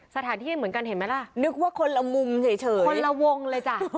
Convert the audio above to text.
สถานที่ไม่เหมือนกันเห็นไหมล่ะนึกว่าคนละมุมเฉยคนละวงเลยจ้ะ